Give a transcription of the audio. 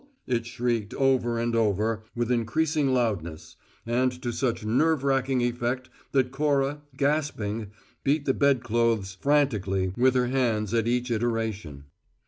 it shrieked, over and over, with increasing loudness, and to such nerve racking effect that Cora, gasping, beat the bedclothes frantically with her hands at each iteration.